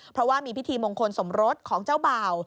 เพราะว่ามีพิธีมงคลสมรสของเจ้าบ่าว